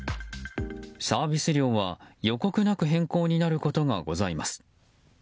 サービス料は予告なく変更になることがございます。